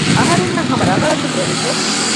އަހަރެންނަށް ހަމަ ރަގަޅަށްވެސް ރޮވިއްޖެ